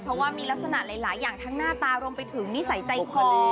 เพราะว่ามีลักษณะหลายอย่างทั้งหน้าตารวมไปถึงนิสัยใจคอ